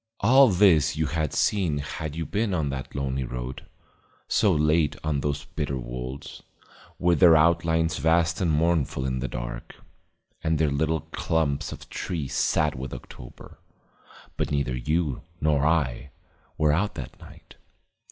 All this you had seen had you been on that lonely road, so late on those bitter wolds, with their outlines vast and mournful in the dark, and their little clumps of trees sad with October. But neither you nor I were out that night.